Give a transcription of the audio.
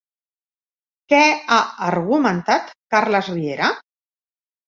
Què ha argumentat Carles Riera?